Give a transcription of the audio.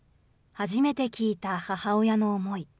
初めて聞いた母親の思い。